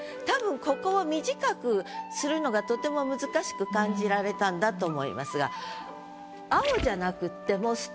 たぶんここを短くするのがとても難しく感じられたんだと思いますが「青」じゃなくってもストレートにここ。